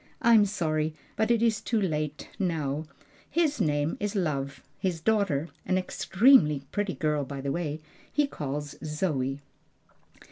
"I'm sorry, but it is too late now His name is Love; his daughter an extremely pretty girl by the way he calls Zoe."